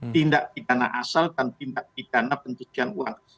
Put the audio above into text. tindak pidana asal dan tindak pidana pencucian uang